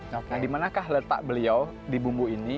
nah dimanakah letak beliau di bumbu ini